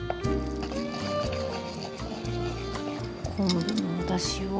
この上に、おだしを。